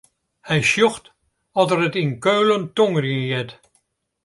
Hy sjocht oft er it yn Keulen tongerjen heart.